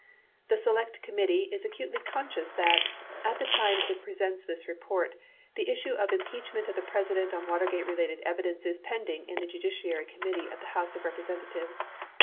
The Select Committee is acutely conscious that, at the time it pre sents this report, the issue of impeachment of the President on Watergate related evidence is pending in the Judiciary Committee of the House of Eepresentatives.